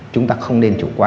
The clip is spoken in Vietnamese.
chúng ta không nên chủ quan